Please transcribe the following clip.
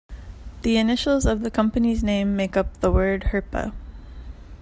The initials of the company's name make up the word "Herpa".